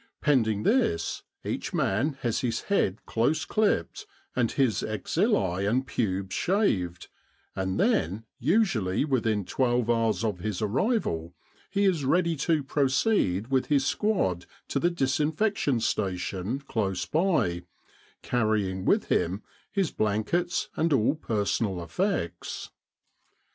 Pend ing this, each man has his head close clipped and his axillae and pubes shaved; and then, usually within 12 hours of his arrival, he is ready to proceed with his squad to the disinfection station close by, carrying with him his blankets, and all personal effects.